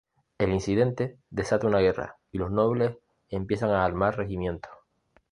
El incidente desata la guerra y los nobles empiezan a armar regimientos.